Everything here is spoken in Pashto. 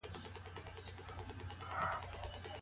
مؤمن نارينه او ښځينه ته څه ورکول کيږي؟